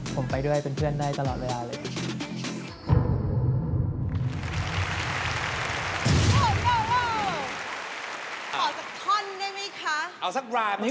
ผมไปด้วยเป็นเพื่อนได้ตลอดเวลาเลย